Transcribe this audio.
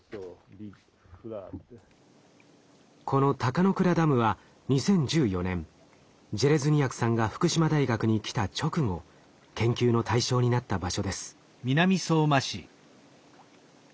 この高の倉ダムは２０１４年ジェレズニヤクさんが福島大学に来た直後研究の対象になった場所です。